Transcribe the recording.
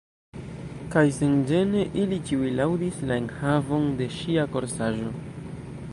Kaj senĝene, ili ĉiuj laŭdis la enhavon de ŝia korsaĵo.